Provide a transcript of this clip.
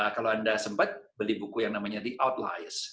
kalau anda sempat beli buku yang namanya the outlise